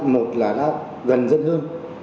một là đã gần dân hơn